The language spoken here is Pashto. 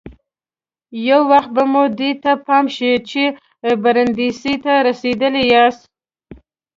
یو وخت به مو دې ته پام شي چې برېنډېسي ته رسېدلي یاست.